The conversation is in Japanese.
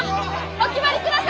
お気張りください！